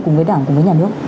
cùng với đảng cùng với nhà nước